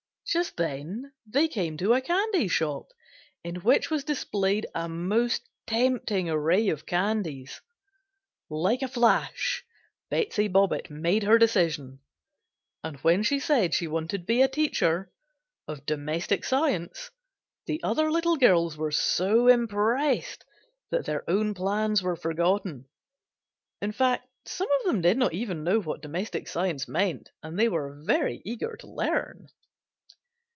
Just then they came to a candy shop in which was displayed a most tempting array of candies. Like a flash Betsey Bobbitt made her decision, and when she said she wanted to be a teacher of "Domestic Science" the other little girls were so impressed that their own plans were forgotten; in fact some of them did not even know what "Domestic Science" meant and they were very eager to learn.